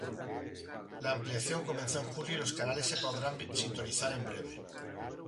La ampliación comenzó en julio y los canales se podrán sintonizar en breve.